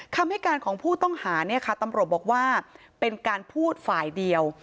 คำให้การของผู้ต้องหาเนี่ยค่ะตำรวจบอกว่าเป็นการพูดฝ่ายเดียว